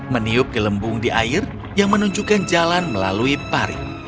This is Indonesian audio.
meniup gelembung di air yang menunjukkan jalan melalui parit